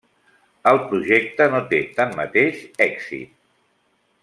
El projecte no té tanmateix èxit.